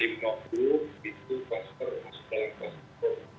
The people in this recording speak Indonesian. ya misalnya hari ini pinjol resmi ada empat